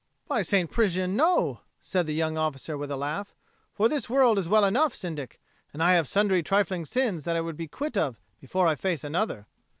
"By St. Prisian, no," said the young officer with a laugh. "For this world is well enough, Syndic, and I have sundry trifling sins that I would be quit of, before I face another."